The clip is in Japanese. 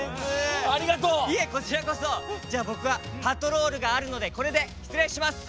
じゃあぼくはパトロールがあるのでこれでしつれいします。